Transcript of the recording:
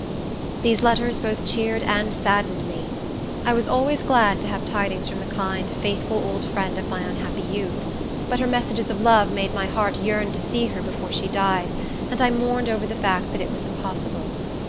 These letters both cheered and saddened me. I was always glad to have tidings from the kind, faithful old friend of my unhappy youth; but her messages of love made my heart yearn to see her before she died, and I mourned over the fact that it was impossible.